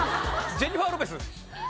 ジェニファー・ロペス。